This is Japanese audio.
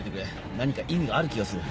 何か意味がある気がする。